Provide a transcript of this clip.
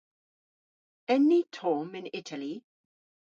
En ni tomm yn Itali?